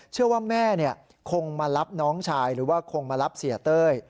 เชื่อว่าแม่คงมารับน้องชายหรือว่าคงมารับเสียเต้ย